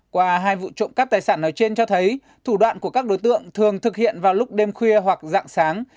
qua hai vụ trộm cắp tài sản nói trên cho thấy thủ đoạn của các đối tượng thường thực hiện vào lúc đêm khuya hoặc dạng sáng